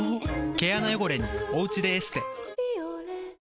毛穴汚れに「おうちｄｅエステ」「ビオレ」